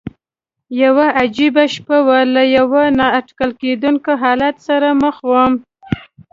یوه عجیبه شپه وه، له یوه نا اټکل کېدونکي حالت سره مخ ووم.